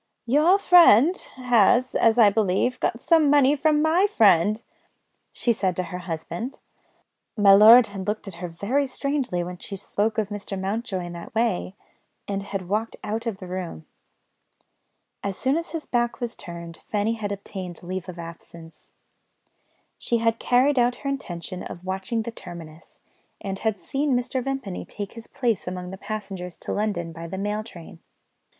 "Your friend has, as I believe, got some money from my friend," she said to her husband. My lord had looked at her very strangely when she spoke of Mr. Mountjoy in that way, and had walked out of the room. As soon as his back was turned, Fanny had obtained leave of absence. She had carried out her intention of watching the terminus, and had seen Mr. Vimpany take his place among the passengers to London by the mail train.